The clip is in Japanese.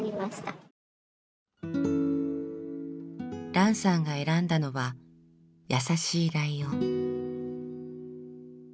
ランさんが選んだのは「やさしいライオン」。